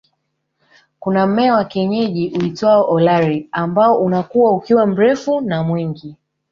Kuna mmea wa kienyeji uitwao Olari ambao unakua ukiwa mrefu na mwingi